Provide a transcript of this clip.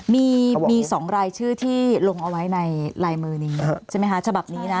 มี๒รายชื่อที่ลงเอาไว้ในลายมือนี้ใช่ไหมคะฉบับนี้นะ